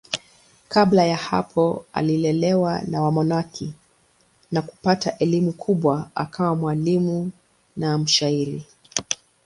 Kabla ya hapo alilelewa na wamonaki na kupata elimu kubwa akawa mwalimu na mshairi.